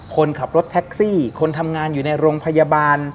คนขับรถแท็กซี่คนทำงานอยู่ในโรงพยาบาล